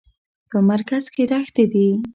په مرکز کې دښتې دي.